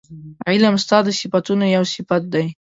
علم ستا د صفتونو یو صفت دی